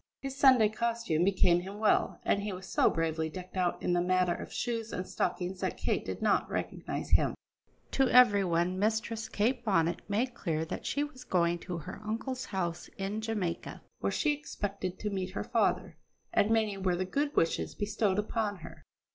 His Sunday costume became him well, and he was so bravely decked out in the matter of shoes and stockings that Kate did not recognise him. To every one Mistress Kate Bonnet made clear that she was going to her uncle's house in Jamaica, where she expected to meet her father; and many were the good wishes bestowed upon her.